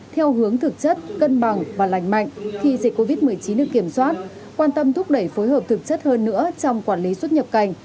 theo hướng thực chất cân bằng và lành mạnh khi dịch covid một mươi chín được kiểm soát quan tâm thúc đẩy phối hợp thực chất hơn nữa trong quản lý xuất nhập cảnh